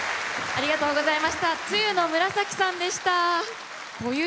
ありがとうございます。